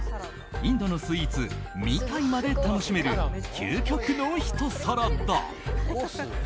インドのスイーツ、ミタイまで楽しめる、究極のひと皿だ。